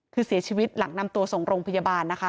คือเสียชีวิตหลังนำตัวส่งโรงพยาบาลนะคะ